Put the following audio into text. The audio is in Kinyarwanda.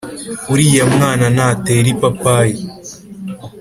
uriya mwana natera ipapayi